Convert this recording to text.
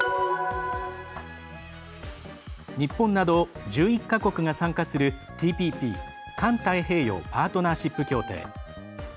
日本など１１か国が参加するＴＰＰ＝環太平洋パートナーシップ協定。